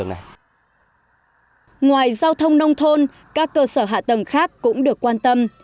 ngoài giao thông nông thôn các cơ sở hạ tầng khác cũng được quan tâm